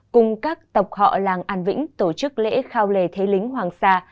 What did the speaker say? cùng các tộc họ làng an vĩnh tổ chức lễ khao lề thế lính hoàng sa